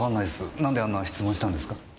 何であんな質問したんですか？